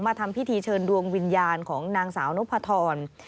ทำพิธีเชิญดวงวิญญาณของนางสาวนพธร